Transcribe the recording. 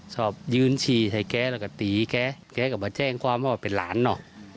ชอบยืนฉี่ให้แกแล้วก็ตีแกแกก็มาแจ้งความว่าเป็นหลานเนอะ